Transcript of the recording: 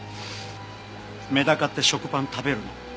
メダカって食パン食べるの。